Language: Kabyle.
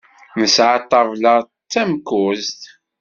Nesɛa ṭṭabla d tamkuẓt.